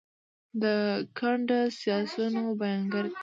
د ګنده سیاستونو بیانګر دي.